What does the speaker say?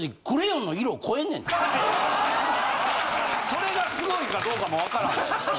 それがすごいかどうかも分からんわ。